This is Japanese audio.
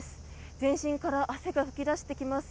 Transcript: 全身から汗が噴き出してきます。